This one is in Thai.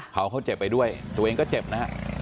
เขาเขาเจ็บไปด้วยตัวเองก็เจ็บนะฮะ